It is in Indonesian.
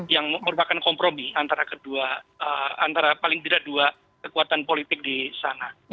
yang merupakan kompromi antara kedua antara paling tidak dua kekuatan politik di sana